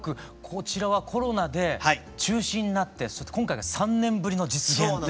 こちらはコロナで中止になってそして今回が３年ぶりの実現ということで。